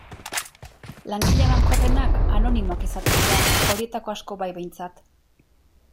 Langile emankorrenak anonimoak izaten dira, horietako asko bai behintzat.